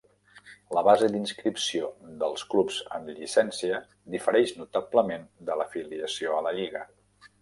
La base d'inscripció dels clubs amb llicència difereix notablement de l'afiliació a la Lliga.